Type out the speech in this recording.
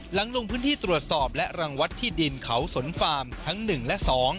ลงพื้นที่ตรวจสอบและรังวัดที่ดินเขาสนฟาร์มทั้ง๑และ๒